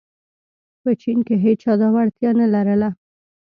په چین کې هېچا دا وړتیا نه لرله.